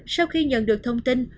sau khi nhận được thông tin